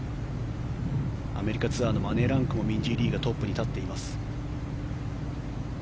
アメリカツアーのマネーランクもミンジー・リーがトップに立っています。